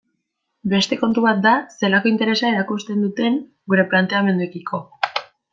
Beste kontu bat da zelako interesa erakusten duten gure planteamenduekiko.